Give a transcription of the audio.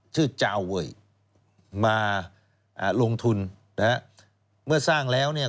ชื่อจาวเวย์มาลงทุนเมื่อสร้างแล้วเนี่ย